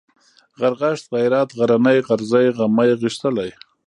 غرغښت ، غيرت ، غرنى ، غرزی ، غمی ، غښتلی